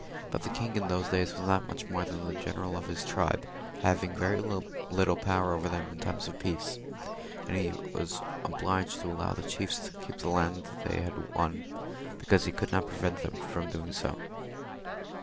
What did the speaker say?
But the king in those days was not much more than the general of his tribe, having very little power over them in times of peace, and he was obliged to allow the chiefs to keep the land they had won, because he could not prevent them from doing so.